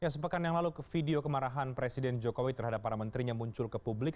sepekan yang lalu video kemarahan presiden jokowi terhadap para menterinya muncul ke publik